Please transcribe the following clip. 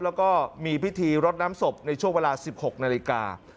แล้วก็มีพิธีรดน้ำศพในช่วงเวลา๑๖นาฬิกา